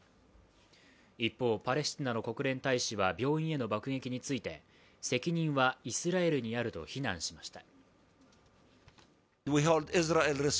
一方、パレスチナの国連大使は病院への爆撃について責任はイスラエルにあると非難しました。